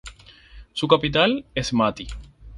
Su capital es Mati.